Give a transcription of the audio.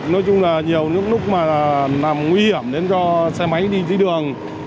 nói chung là nhiều lúc mà nằm nguy hiểm đến cho xe máy đi dưới đường